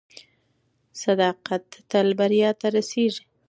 صداقت تل بریا ته رسیږي.